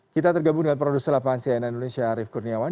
kita tergabung dengan produser lapangan cnn indonesia arief kurniawan